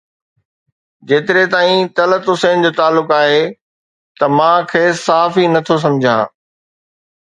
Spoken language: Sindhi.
جيتري تائين طلعت حسين جو تعلق آهي ته مان کيس صحافي نٿو سمجهان